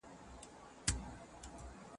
هغه څوک چي درسونه لوستل کوي پوهه زياتوي.